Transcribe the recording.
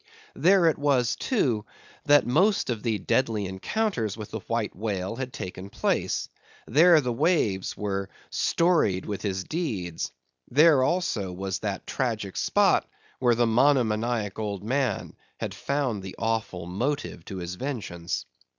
There it was, too, that most of the deadly encounters with the white whale had taken place; there the waves were storied with his deeds; there also was that tragic spot where the monomaniac old man had found the awful motive to his vengeance.